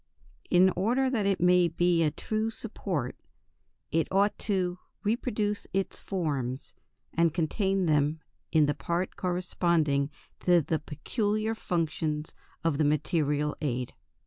In order that it may be a true support it ought "to reproduce its forms" and contain them in the part corresponding to the peculiar functions of the material aid.